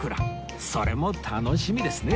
それも楽しみですねえ